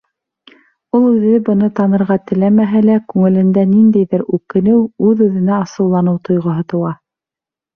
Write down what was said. Ул үҙе быны танырға теләмәһә лә, күңелендә ниндәйҙер үкенеү, үҙ-үҙенә асыуланыу тойғоһо тыуа.